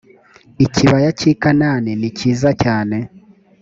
ikibaya cy i kanani ni cyiza cyane